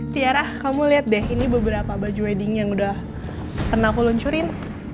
tiara kamu lihat deh ini beberapa baju wedding yang udah pernah aku luncurin